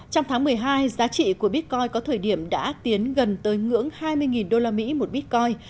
trong tháng một mươi hai giá trị của bitcoin có thời điểm đã tiến gần tới ngưỡng hai mươi usd một bitcoin